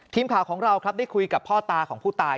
ทีมข่าวของเราครับได้คุยกับพ่อตาของผู้ตาย